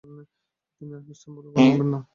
তিনি আর খ্রিস্টান বলে গণ্য হবেন না।